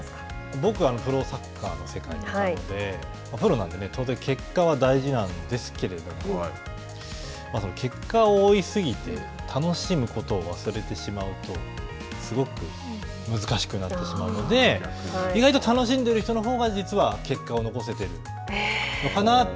僕はプロサッカーの世界にいたので、プロなんで、当然結果は大事なんですけれども、結果を追いすぎて、楽しむことを忘れてしまうと、すごく難しくなってしまうので、意外と楽しんでる人のほうが実は結果を残せているのかなって。